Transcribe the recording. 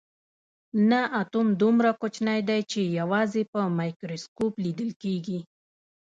نه اتوم دومره کوچنی دی چې یوازې په مایکروسکوپ لیدل کیږي